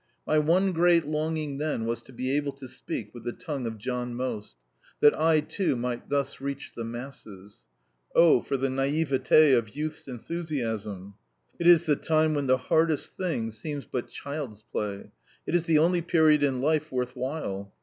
My one great longing then was to be able to speak with the tongue of John Most, that I, too, might thus reach the masses. Oh, for the naivety of Youth's enthusiasm! It is the time when the hardest thing seems but child's play. It is the only period in life worth while.